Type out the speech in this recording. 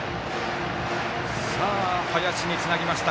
林につなぎました。